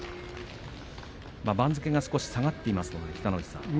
番付が少し下がっていますので北の富士さん。